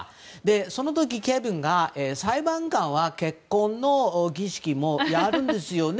その時、ケビンが裁判官は結婚の儀式もやるんですよね？